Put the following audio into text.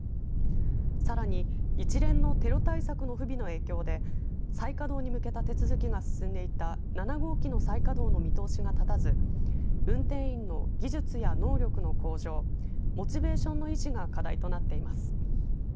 さらに一連のテロ対策の不備の影響で再稼働に向けた手続きが進んでいた７号機の再稼働の見通しが立たず運転員の技術や能力の向上モチベーションの維持が課題となっています。